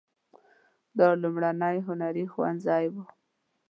دا لومړنی هنري ښوونځی و.